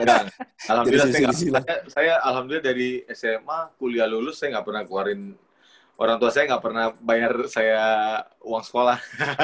alhamdulillah saya alhamdulillah dari sma kuliah lulus saya nggak pernah keluarin orang tua saya nggak pernah bayar saya uang sekolah